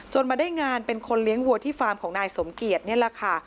มาได้งานเป็นคนเลี้ยงวัวที่ฟาร์มของนายสมเกียจนี่แหละค่ะ